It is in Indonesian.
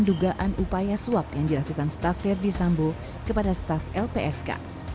dugaan upaya swap yang dilakukan staf ferdisambo kepada staf lpsk